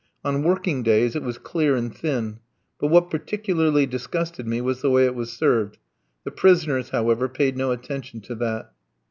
On working days it was clear and thin; but what particularly disgusted me was the way it was served. The prisoners, however, paid no attention to that.